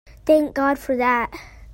Thank God for that!